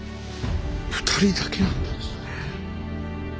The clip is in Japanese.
２人だけなんですね。